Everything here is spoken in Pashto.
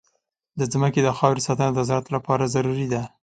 د ځمکې د خاورې ساتنه د زراعت لپاره ضروري ده.